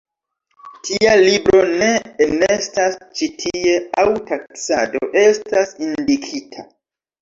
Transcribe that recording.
Tia libro ne enestas ĉi tie aŭ taksado estas indikita.